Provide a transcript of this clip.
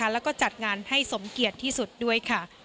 แล้วก็จัดงานให้สมเกียจที่สุดด้วยค่ะ